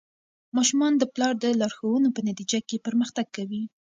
ماشومان د پلار د لارښوونو په نتیجه کې پرمختګ کوي.